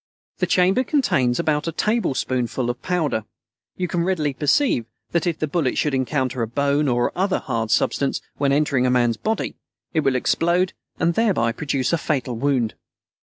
The chamber contains about a tablespoonful of powder. You can readily perceive that if the bullet should encounter a bone or other hard substance when entering a man's body, it will explode and thereby produce a fatal wound.